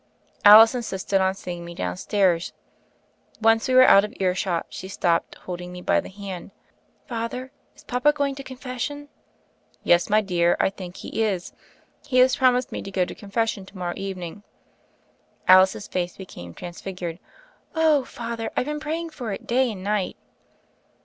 Alice insisted on seeing me downstairs. Once we were out of earshot she stopped, holding me by the hand. "Father, is papa going to confession?" "Yes, my dear, I think he is. He has prom ised me to go to confession to morrow evening." Alice's face became transfigured. "Oh, Father 1 I've been praying for it day and night."